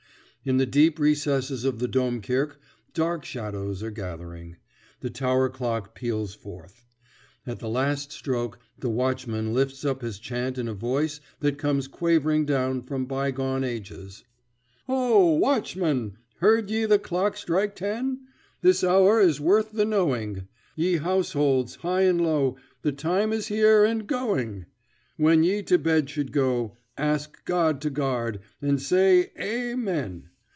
In the deep recesses of the Domkirke dark shadows are gathering. The tower clock peals forth. At the last stroke the watchman lifts up his chant in a voice that comes quavering down from bygone ages: [Illustration: Music] Ho, watchman! heard ye the clock strike ten? This hour is worth the know ing Ye house holds high and low, The time is here and go ing When ye to bed should go; Ask God to guard, and say A men!